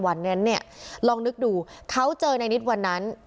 กล่าวอ้างในวันนั้นเนี่ยลองนึกดูเขาเจอนายนิดวันนั้น